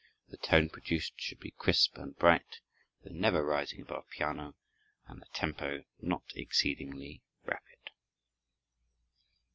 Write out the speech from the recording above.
The tone produced should be crisp and bright, though never rising above piano, and the tempo not exceedingly rapid.